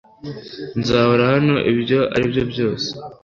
Nzahora hano ibyo ari byo byose